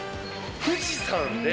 富士山で。